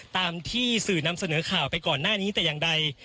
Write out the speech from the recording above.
ตามที่สื่อนำเสนอข่าวไปก่อนหน้านี้แต่อย่างใด